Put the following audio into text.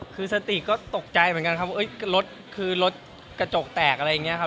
คือสติก็ตกใจเหมือนกันครับว่ารถคือรถกระจกแตกอะไรอย่างนี้ครับ